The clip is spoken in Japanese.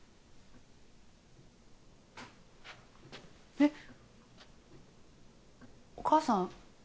えっお母さん？